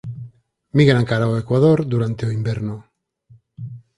Migran cara ao ecuador durante o inverno.